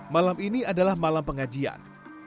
malam ini adalah malam pengajian